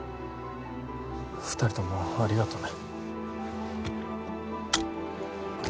２人ともありがとね。